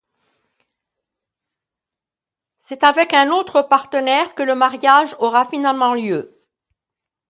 C'est avec un autre partenaire que le mariage aura finalement lieu.